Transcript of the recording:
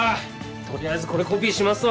取りあえずこれコピーしますわ。